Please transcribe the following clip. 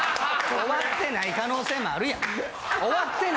終わってない可能性もある。